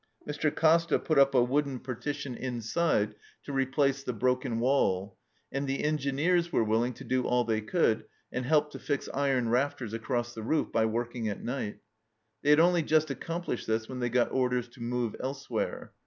Mr. Costa put up a wooden parti 244 THE CELLAR HOUSE OF PERVYSE tion inside to replace the broken wall, and the Engineers were willing to do all they could, and helped to fix iron rafters across the roof by working at night. They had only just accomplished this when they got orders to move elsewhere.